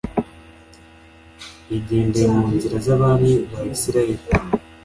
yagendeye mu nzira z abami ba isirayeli